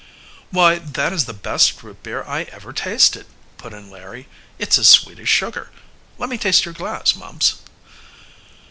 "Why, that is the best root beer I ever tasted," put in Larry. "It's as sweet as sugar. Let me taste your glass, Mumps."